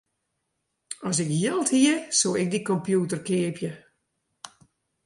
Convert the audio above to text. As ik jild hie, soe ik dy kompjûter keapje.